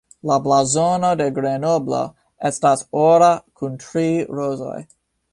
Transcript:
La blazono de Grenoblo estas ora kun tri rozoj.